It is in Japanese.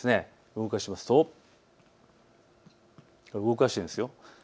動かすとこれ、動かしているんですよ。